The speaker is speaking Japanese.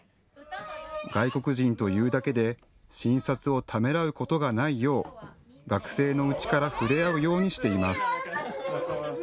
外国人というだけで診察をためらうことがないよう学生のうちからふれ合うようにしています。